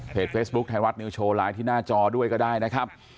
เฟซบุ๊คไทยรัฐนิวโชว์ไลน์ที่หน้าจอด้วยก็ได้นะครับ